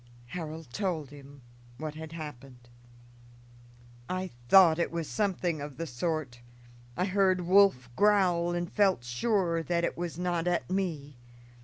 Harold told him what had happened. "I thought it was something of the sort. I heard Wolf growl and felt sure that it was not at me.